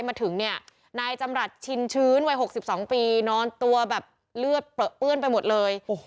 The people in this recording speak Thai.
มาถึงเนี่ยนายจำรัฐชินชื้นวัย๖๒ปีนอนตัวแบบเลือดเปลือเปื้อนไปหมดเลย